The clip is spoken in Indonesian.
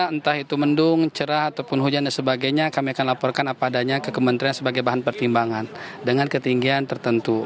entah itu mendung cerah ataupun hujan dan sebagainya kami akan laporkan apa adanya ke kementerian sebagai bahan pertimbangan dengan ketinggian tertentu